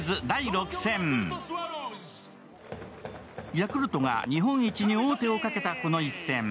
ヤクルトが日本一に王手をかけたこの一戦。